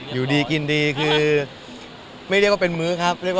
อยู่ดีกินดีว่าเป็นมื้อครับ